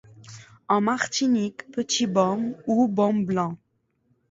En Martiniqueː Petit baume ou Baume blanc.